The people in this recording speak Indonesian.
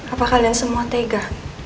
apakah kalian semua tega